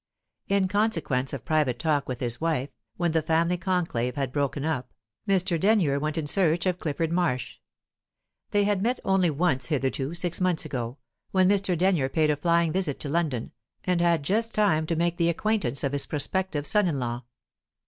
In consequence of private talk with his wife, when the family conclave had broken up, Mr. Denyer went in search of Clifford Marsh. They had met only once hitherto, six months ago, when Mr. Denyer paid a flying visit to London, and had just time to make the acquaintance of his prospective son in law.